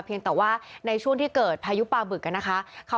แต่ว่าในช่วงที่เกิดพายุปลาบึกนะคะ